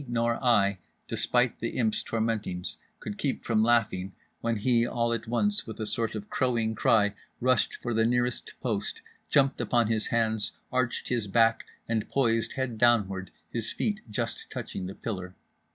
nor I, despite the Imp's tormentings, could keep from laughing when he all at once with a sort of crowing cry rushed for the nearest post, jumped upon his hands, arched his back, and poised head downward; his feet just touching the pillar.